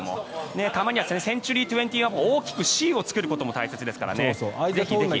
たまにはセンチュリー２１の大きくＣを作ることも大事ですからね。